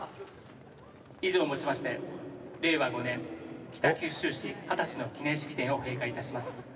以上をもちまして令和５年北九州市二十歳の記念式典を閉会いたします。